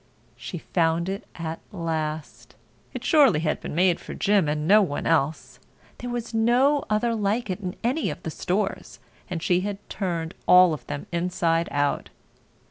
She found it at last. It surely had been made for Jim and no one else. There was no other like it in any of the stores, and she had turned all of them inside out.